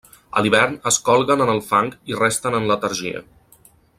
A l'hivern es colguen en el fang i resten en letargia.